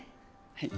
はい。